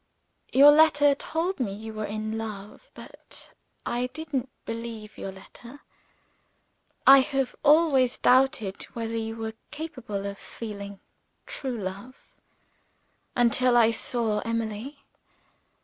"Your letter told me you were in love; but I didn't believe your letter. I have always doubted whether you were capable of feeling true love until I saw Emily.